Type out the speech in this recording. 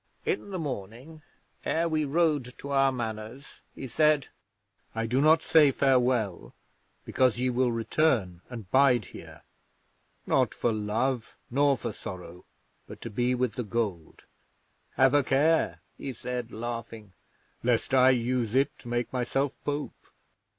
'In the morning, ere we rode to our Manors, he said: "I do not say farewell; because ye will return and bide here. Not for love nor for sorrow, but to be with the gold. Have a care," he said, laughing, "lest I use it to make myself Pope.